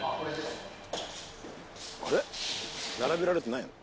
並べられてないの？